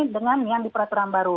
dengan yang di peraturan baru